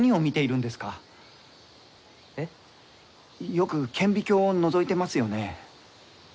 よく顕微鏡をのぞいてますよね？